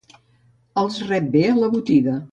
Els rep bé a la botiga.